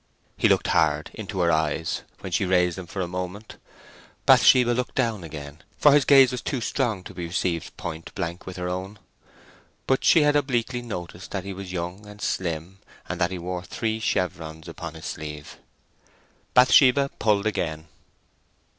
He looked hard into her eyes when she raised them for a moment; Bathsheba looked down again, for his gaze was too strong to be received point blank with her own. But she had obliquely noticed that he was young and slim, and that he wore three chevrons upon his sleeve. Bathsheba pulled again.